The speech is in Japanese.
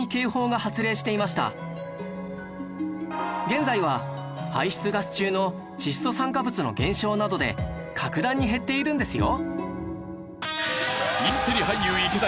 現在は排出ガス中の窒素酸化物の減少などで格段に減っているんですよ